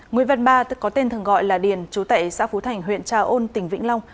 nguyễn văn ba có tên thường gọi là điền chú tẩy xã phú thành huyện trà ôn tỉnh vĩnh long